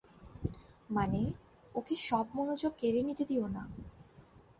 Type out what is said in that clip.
মানে ওকে সব মনোযোগ কেড়ে নিতে দিও না।